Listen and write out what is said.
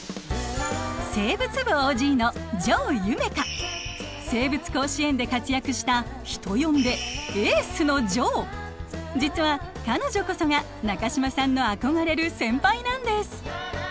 生物部ＯＧの生物甲子園で活躍した人呼んで「エースのジョー」。実は彼女こそが中島さんの憧れる先輩なんです。